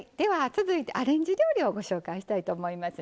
続いて、アレンジ料理をご紹介したいと思います。